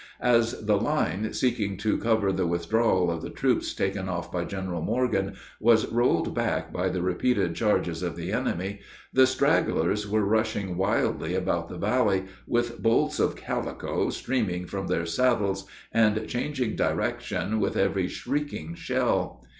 As the line, seeking to cover the withdrawal of the troops taken off by General Morgan, was rolled back by the repeated charges of the enemy, the stragglers were rushing wildly about the valley, with bolts of calico streaming from their saddles, and changing direction with every shrieking shell.